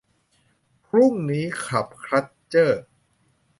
พรุ่งนี้ คลับ คัลเจอร์